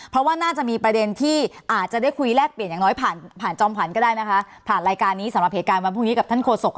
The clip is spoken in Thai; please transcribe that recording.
เพราะว่าน่าจะมีประเด็นที่อาจจะได้คุยแลกเปลี่ยนอย่างน้อยผ่านผ่านจอมขวัญก็ได้นะคะผ่านรายการนี้สำหรับเหตุการณ์วันพรุ่งนี้กับท่านโฆษก